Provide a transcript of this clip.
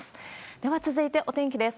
では続いてお天気です。